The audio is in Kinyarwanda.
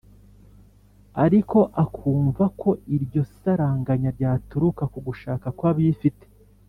ariko akumva ko iryo saranganya ryaturuka ku gushaka kw' abifite.